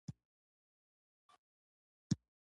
هغه څوک چې د کوچني شي په قدر پوهېږي ستر شیان ترلاسه کوي.